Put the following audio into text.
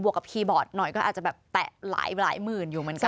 กับคีย์บอร์ดหน่อยก็อาจจะแบบแตะหลายหมื่นอยู่เหมือนกัน